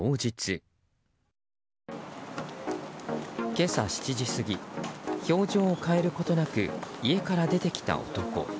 今朝７時過ぎ表情を変えることなく家から出てきた男。